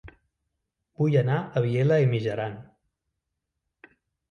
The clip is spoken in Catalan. Vull anar a Vielha e Mijaran